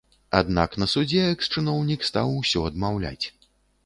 Аднак на судзе экс-чыноўнік стаў усё адмаўляць.